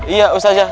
iya usah aja